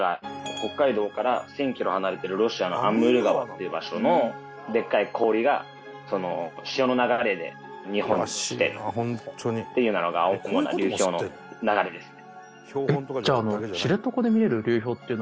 北海道から１０００キロ離れてるロシアのアムール川っていう場所のでっかい氷が潮の流れで日本に来てっていうのが主な流氷の流れですね。